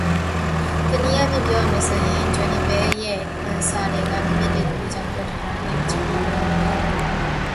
In some respects Joinville is sometimes not far from writing a hagiography.